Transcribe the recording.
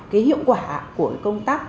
cái hiệu quả của công tác